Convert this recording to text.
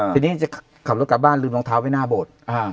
ทีนี้จะขับรถกลับบ้านลืมรองเท้าไว้หน้าโบสถ์